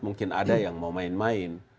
mungkin ada yang mau main main